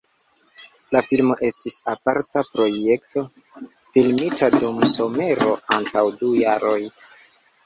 La filmo estis aparta projekto filmita dum somero antaŭ du jaroj.